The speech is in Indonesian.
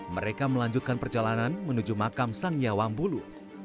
mereka melanjutkan perjalanan menuju makam sangya wambulu